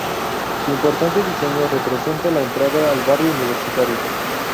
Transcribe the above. Su imponente diseño representa la entrada al Barrio Universitario.